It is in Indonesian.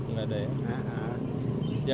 nggak ada ya